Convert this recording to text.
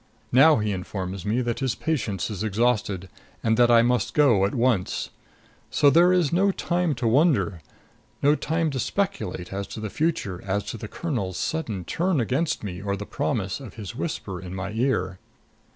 Now he informs me that his patience is exhausted and that I must go at once. So there is no time to wonder; no time to speculate as to the future, as to the colonel's sudden turn against me or the promise of his whisper in my ear.